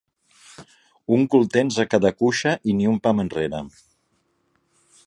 Un cul tens a cada cuixa i ni un pam enrere.